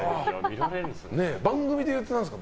番組で言うと何ですか？